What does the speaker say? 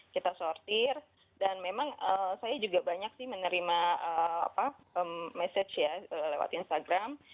kita sortir dan memang saya juga banyak sih menerima message ya lewat instagram